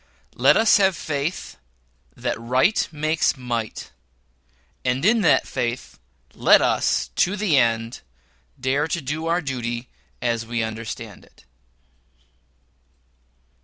LET US HAVE FAITH THAT RIGHT MAKES MIGHT, AND IN THAT FAITH LET US, TO THE END, DARE TO DO OUR DUTY AS WE UNDERSTAND IT.